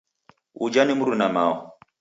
Uja ni mrunamao